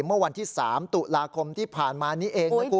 เมื่อวันที่๓ตุลาคมที่ผ่านมานี้เองนะคุณ